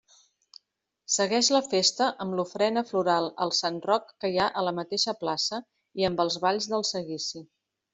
Segueix la festa amb l'ofrena floral al sant Roc que hi ha a la mateixa plaça i amb els balls del seguici.